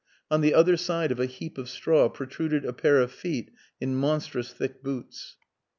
On the other side of a heap of straw protruded a pair of feet in monstrous thick boots.